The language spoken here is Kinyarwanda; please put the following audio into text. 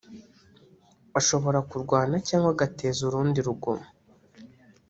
ashobora kurwana cyangwa agateza urundi rugomo